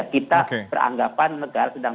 kita peranggapan negara sedang